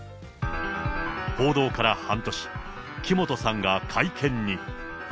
報道から半年、木本さんが会見に。